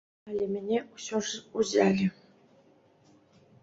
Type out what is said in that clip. Але мяне ўсё ж узялі.